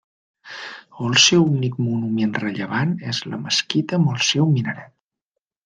El seu únic monument rellevant és la mesquita amb el seu minaret.